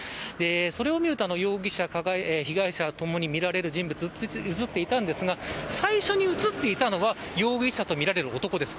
それを見ると容疑者、被害者ともにみられる人物、映っていたんですが最初に映っていたのは容疑者とみられる男です。